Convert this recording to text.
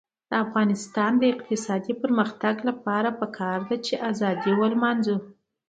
د افغانستان د اقتصادي پرمختګ لپاره پکار ده چې ازادي ولمانځو.